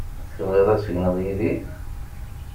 Tebɣiḍ ad tegneḍ yid-i?